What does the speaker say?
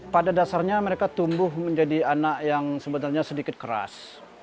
pada dasarnya mereka tumbuh menjadi anak yang sebenarnya sedikit keras